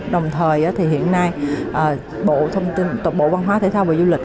đồng thời thì hiện nay bộ văn hóa thể thao và du lịch